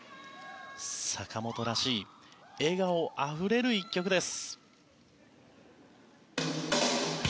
坂本らしい笑顔あふれる１曲です。